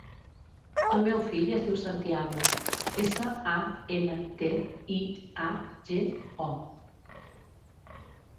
El meu fill es diu Santiago: essa, a, ena, te, i, a, ge, o.